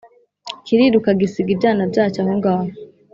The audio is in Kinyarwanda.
kiriruka gisiga ibyana byacyo aho ngaho.